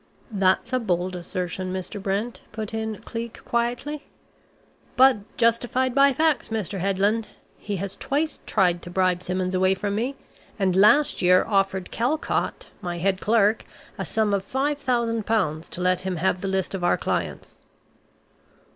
"That's a bold assertion, Mr. Brent," put in Cleek quietly. "But justified by facts, Mr. Headland. He has twice tried to bribe Simmons away from me, and last year offered Calcott, my head clerk, a sum of £5000 to let him have the list of our clients."